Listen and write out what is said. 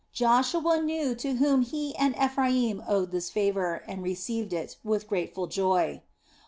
Joshua knew to whom he and Ephraim owed this favor, and received it with grateful joy.